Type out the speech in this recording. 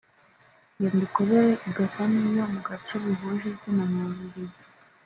iyo mikorere igasa n’iyo mu gace bihuje izina mu Bubiligi